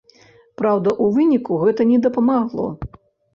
Праўда, у выніку гэта не дапамагло.